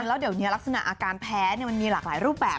แล้วเดี๋ยวนี้ลักษณะอาการแพ้มันมีหลากหลายรูปแบบ